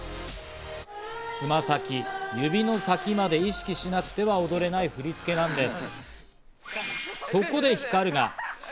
つま先、指の先まで意識しなくては踊れない振り付けなんです。